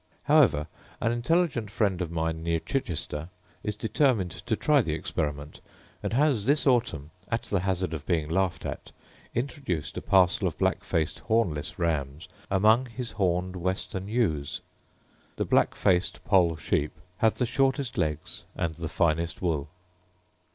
However, an intelligent friend of mine near Chichester is determined to try the experiment; and has this autumn, at the hazard of being laughed at, introduced a parcel of black faced hornless rams among his horned western ewes. The black faced poll sheep have the shortest legs and the finest wool.